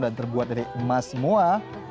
dan terbuat dari emas semua